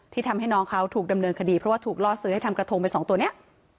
ทำให้น้องเขาถูกดำเนินคดีเพราะว่าถูกล่อซื้อให้ทำกระทงไปสองตัวนี้